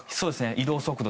移動速度